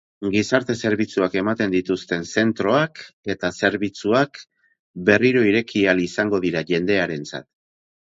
Gizarte-zerbitzuak ematen dituzten zentroak eta zerbitzuak berriro ireki ahal izango dira jendearentzat.